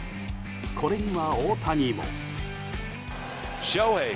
これには大谷も。